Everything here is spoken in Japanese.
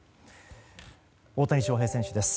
大谷翔平選手です。